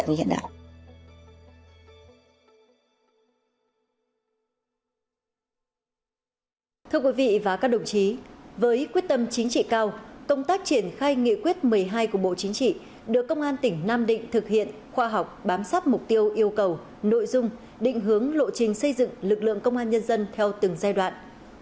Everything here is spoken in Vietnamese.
và các đồng chí với quyết tâm chính trị cao công tác triển khai nghị quyết một mươi hai của bộ chính trị được công an tỉnh nam định thực hiện khoa học bám sắp mục tiêu yêu cầu nội dung định hướng lộ trình xây dựng lực lượng công an nhân dân theo từng giai đoạn